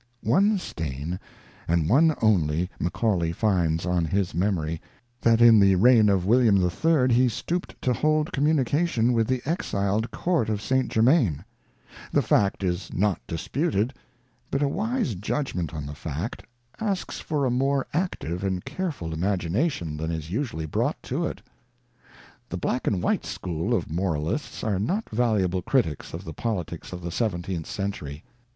One stain, and one only, Macaulay finds on his memory, that in the reign of William III he stooped to hold com munication with the exiled Court of St. Germain. The fact is not disputed, but a wise judgement on the fact asks for xvi INTRODUCTION. for a more active and careful imagination than is usually brought to it. The black and white school of moralists are not valuable critics of the politics of the Seventeenth Century.